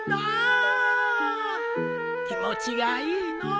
気持ちがいいのう。